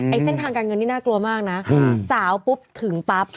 เส้นทางการเงินนี่น่ากลัวมากนะสาวปุ๊บถึงปั๊บ